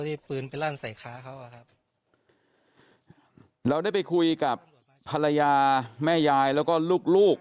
นี่ปืนไปลั่นใส่ค้าเขาอ่ะครับเราได้ไปคุยกับภรรยาแม่ยายแล้วก็ลูกลูก